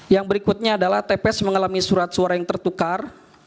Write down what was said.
yang berikutnya adalah tps mengalami surat suara yang tertukar